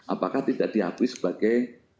apakah tidak diakui sebagai